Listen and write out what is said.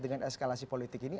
dengan eskalasi politik ini